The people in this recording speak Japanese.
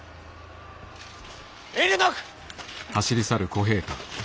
遠慮なく！